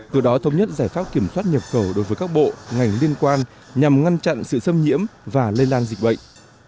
từ đó thông nhất giải pháp kiểm soát nhập khẩu đối với các bộ ngành liên quan nhằm ngăn chặn sự xâm nhiễm và lây lan dịch bệnh